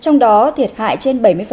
trong đó thiệt hại trên bảy mươi